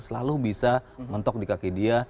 selalu bisa mentok di kaki dia